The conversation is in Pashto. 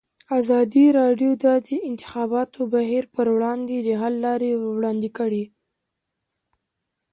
ازادي راډیو د د انتخاباتو بهیر پر وړاندې د حل لارې وړاندې کړي.